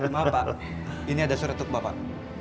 maaf pak ini ada surat untuk bapak